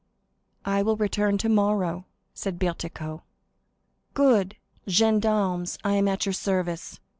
"I will return tomorrow," said Bertuccio. "Good! Gendarmes, I am at your service.